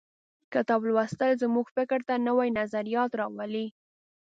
کتاب لوستل زموږ فکر ته نوي نظریات راولي.